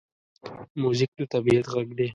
موزیک د طبعیت غږ دی.